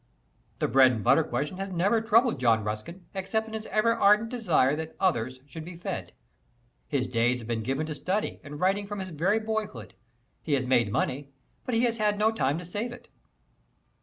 The bread and butter question has never troubled John Ruskin except in his ever ardent desire that others should be fed. His days have been given to study and writing from his very boyhood; he has made money, but he has had no time to save it.